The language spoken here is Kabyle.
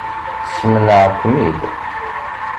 Smenεeɣ-kem-id.